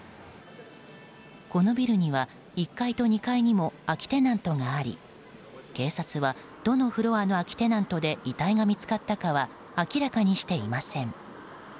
このビルには１階と２階にも空きテナントがあり、警察はどのフロアの空きテナントで遺体が見つかったかは明らかにしていません。